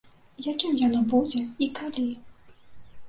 Якім яно будзе і калі?